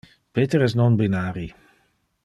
Peter es non-binari.